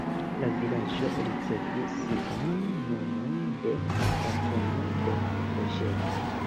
La vilaĝo ricevis sian nomon de patrono de la preĝejo.